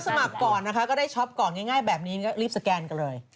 สมัครก่อนนะคะก็ได้ช็อปก่อนง่ายแบบนี้รีบสแกนกันเลย